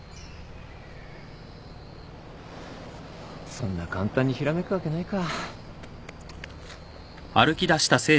そんな簡単にひらめくわけないか。